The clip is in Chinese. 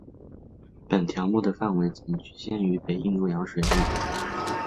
本条目的范围仅局限于北印度洋水域。